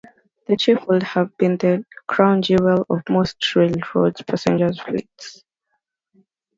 The "Chief" would have been the "crown jewel" of most railroads' passenger fleets.